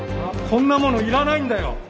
こんなものいらないんだよ。